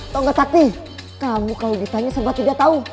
tongkat sakti kamu kalau ditanya sempat tidak tahu